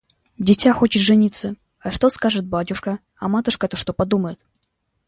– Дитя хочет жениться! А что скажет батюшка, а матушка-то что подумает?»